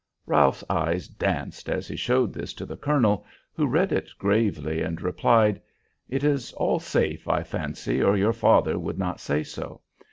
Ralph's eyes danced as he showed this to the colonel who read it gravely and replied, "It is all safe, I fancy, or your father would not say so.